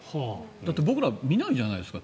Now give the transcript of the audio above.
僕ら見ないじゃないですか。